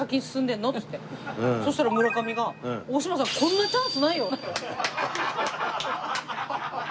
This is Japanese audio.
そしたら村上が「大島さんこんなチャンスないよ」って。